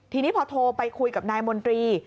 ทีนี้พอโทรไปคุยกับนายมนตรี